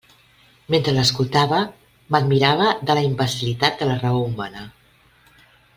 Mentre l'escoltava, m'admirava de la imbecil·litat de la raó humana.